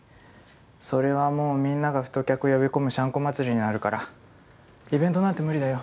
それはもうみんなが太客呼び込むシャンコ祭りになるからイベントなんて無理だよ。